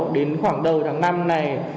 đến khoảng đầu tháng năm này